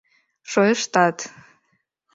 — Шойыштат...